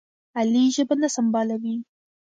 علي ژبه نه سنبالوي.